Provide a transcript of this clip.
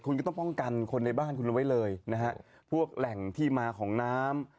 คุณก็ต้องป้องกันคนในบ้านคุณเอาไว้เลยนะฮะพวกแหล่งที่มาของน้ำ